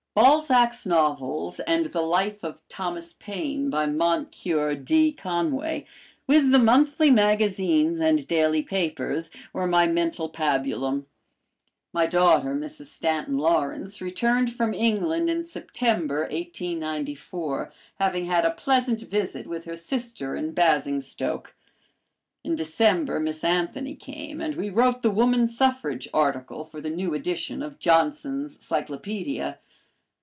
Balzac's novels, and the "Life of Thomas Paine" by Moncure D. Conway, with the monthly magazines and daily papers, were my mental pabulum. My daughter, Mrs. Stanton Lawrence, returned from England in September, 1894, having had a pleasant visit with her sister in Basingstoke. In December Miss Anthony came, and we wrote the woman suffrage article for the new edition of Johnson's Cyclopedia.